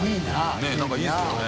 佑なんかいいですよね。